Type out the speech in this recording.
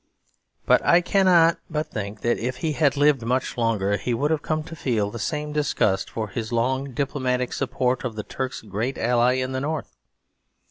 But I cannot but think that if he had lived much longer, he would have come to feel the same disgust for his long diplomatic support of the Turk's great ally in the North.